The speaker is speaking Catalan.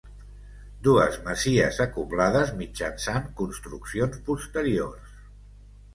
Dues masies acoblades mitjançant construccions posteriors.